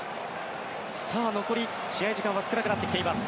残り試合時間は少なくなってきています。